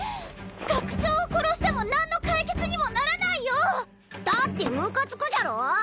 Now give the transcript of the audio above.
学長を殺しても何の解決にもならないよだってムカつくじゃろ！